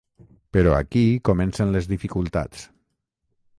Però aquí comencen les dificultats.